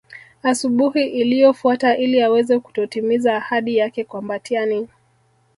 Asubuhi iliyofuata ili aweze kutotimiza ahadi yake kwa Mbatiany